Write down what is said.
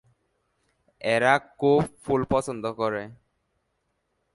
এরা খুব ফুল পছন্দ করে।